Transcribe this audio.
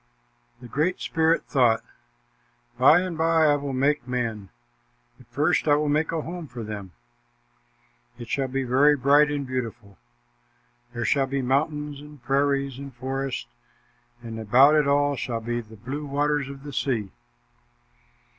The Great Spirit thought, "By and by I will make men, but first I will make a home for them. It shall be very bright and beautiful. There shall be mountains and prairies and forests, and about it all shall be the blue waters of the sea."